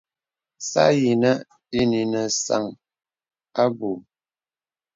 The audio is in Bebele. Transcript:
Sa yinə īnə nə sāŋ aboui.